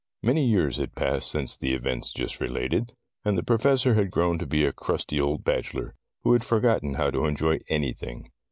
Many years had passed since the events just related, and the Professor had grown to be a crusty old bachelor, who had for gotten how to enjoy anything.